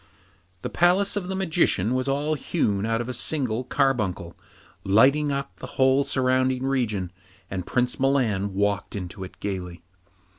The palace of the Magician was all hewn out of a single carbuncle, lighting up the whole surrounding region, and Prince Milan walked into it gaily.